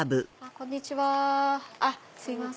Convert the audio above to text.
こんにちは。